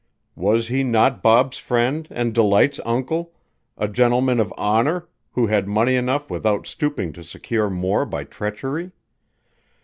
Was he not Bob's friend and Delight's uncle, a gentleman of honor who had money enough without stooping to secure more by treachery?